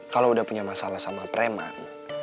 kalau udah punya masalah sama preman